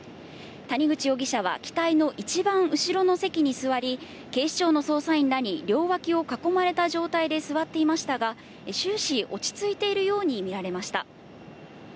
谷口容疑者は機体の一番後ろの席に座り、警視庁の捜査員らに両脇を囲まれた状態で座っていましたが、終始、落ち着いているように見られました。